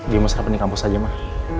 bima sarapan di kampus aja mah